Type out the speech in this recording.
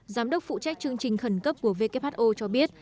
giám đốc phụ trách chương trình khẩn cấp của who cho biết